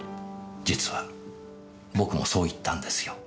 実は僕もそう言ったんですよ。